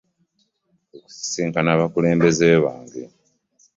Kwekusisinkana abakulembeze bange .